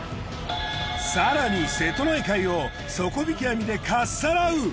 更に瀬戸内海を底引き網でかっさらう。